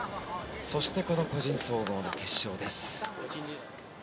そしてこの個人総合の決勝です。